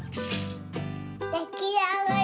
できあがり！